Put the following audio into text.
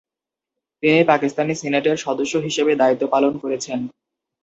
তিনি পাকিস্তানি সিনেটের সদস্য হিসেবে দায়িত্ব পালন করেছেন।